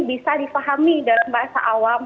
bisa dipahami dalam bahasa awam